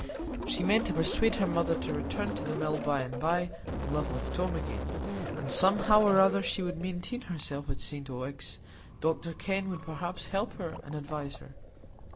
She meant to persuade her mother to return to the Mill by and by, and live with Tom again; and somehow or other she would maintain herself at St Ogg's. Dr Kenn would perhaps help her and advise her.